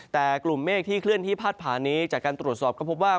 แต่กลุ่มเมฆที่เคลื่อนที่พาดผ่านนี้จากการตรวจสอบก็พบว่า